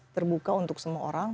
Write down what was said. terbuka untuk semua orang